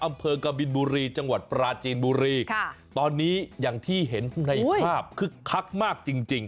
อำเภอกบินบุรีจังหวัดปราจีนบุรีตอนนี้อย่างที่เห็นในภาพคือคักมากจริง